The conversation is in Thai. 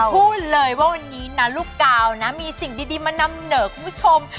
พูดเลยว่าวันนี้นะลูกกาวนะมีสิ่งดีมานำเหนอคุณผู้ชม